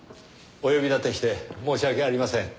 お呼び立てして申し訳ありません。